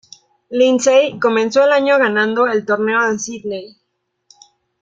Lindsay comenzó el año ganando el Torneo de Sídney.